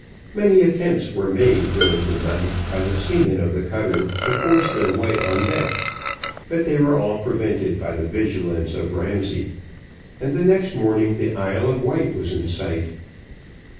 Many attempts were made during the night by the seamen of the cutter to force their way on deck, but they were all prevented by the vigilance of Ramsay; and the next morning the Isle of Wight was in sight.